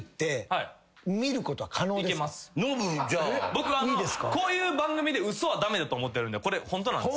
僕あのこういう番組で嘘は駄目だと思ってるんでこれホントなんです。